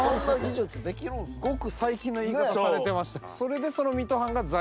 ごく最近の言い方されてました。